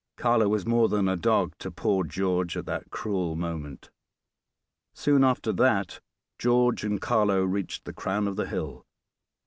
Carlo was more than a dog to poor George at that cruel moment. Soon after that, George and Carlo reached the crown of the hill.